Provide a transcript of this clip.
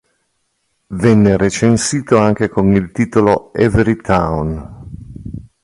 Venne recensito anche con il titolo "Every Town".